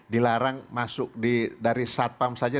dilarang masuk dari satpam saja